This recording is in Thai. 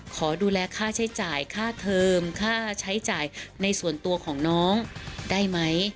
ขอดูแลค่าใช้จ่ายค่าเทิมค่าใช้จ่ายในส่วนตัวของน้องได้ไหม